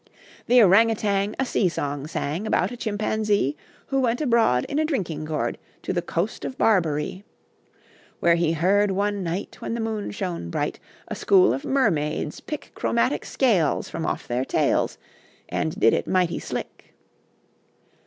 The Orang Outang A sea song sang, About a Chimpanzee Who went abroad, In a drinking gourd, To the coast of Barberee. Where he heard one night, When the moon shone bright, A school of mermaids pick Chromatic scales From off their tails, And did it mighty slick.